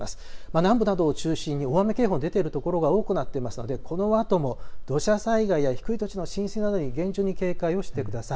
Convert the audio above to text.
南部などを中心に大雨警報が出ている所が多くなっていますのでこのあとも土砂災害や低い土地の浸水などに厳重に警戒をしてください。